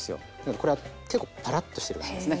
これは結構パラッとしてる感じですね。